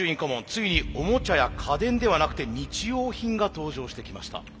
ついにオモチャや家電ではなくて日用品が登場してきました。